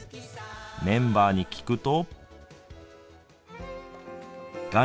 メンバーに聞くと。